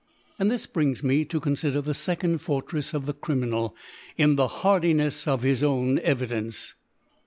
And this brings me to confider the fecond Fortrcfs of the Criminal in the Hardinefs of his town Evidence.